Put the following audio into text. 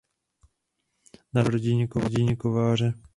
Narodil se v rodině kováře.